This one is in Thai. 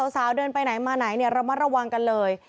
สาวเดินไปไหนมาไหนเนี่ยรับมาระวังกันเลย